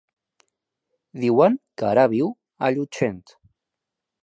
Diuen que ara viu a Llutxent.